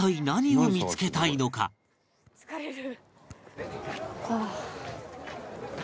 疲れる。